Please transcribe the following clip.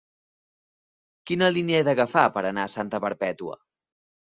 Quina línia he d'agafar per anar a Santa Perpètua?